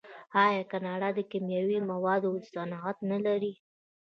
آیا کاناډا د کیمیاوي موادو صنعت نلري؟